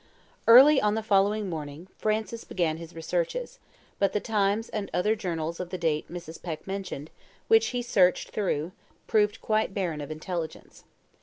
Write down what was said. Early on the following morning Francis began his researches; but the TIMES and other journals of the date Mrs. Peck mentioned, which he searched through, proved quite barren of intelligence.